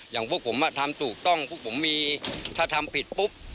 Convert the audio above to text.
อย่างพวกผมทำถูกต้องพวกผมมีถ้าทำผิดปุ๊บ